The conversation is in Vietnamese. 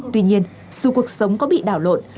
tuy nhiên dù cuộc sống có bị đảo lộn